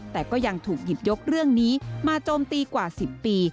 แต่ก็ยังถูกหยิบยกเรื่องนี้มาโจมตีกว่า๑๐ปี